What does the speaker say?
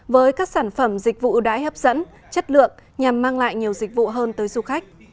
với các sản phẩm dịch vụ ưu đãi hấp dẫn chất lượng nhằm mang lại nhiều dịch vụ hơn tới du khách